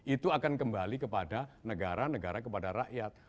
itu akan kembali kepada negara negara kepada rakyat